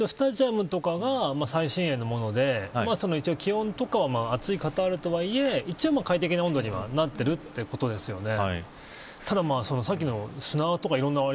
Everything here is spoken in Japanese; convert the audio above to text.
あと気候に関してはただ、一応スタジアムとかが最新鋭のもので一応、気温とかは暑いカタールとはいえ快適な温度にはなってるということですよね。